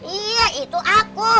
iya itu aku